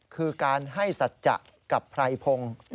คือการให้สัตว์จะกับพรายพง